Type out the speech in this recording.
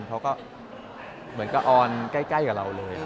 เค้าออนใกล้กับเราเลย